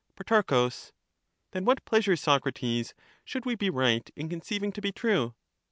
Pro. Then what pleasures, Socrates, should we be right in conceiving to be true